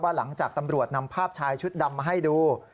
หลังจากตำรวจนำภาพชายชุดดำมาให้ดู